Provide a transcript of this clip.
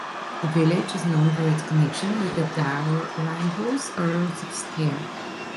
The village is known for its connection with the Dalrymples, Earls of Stair.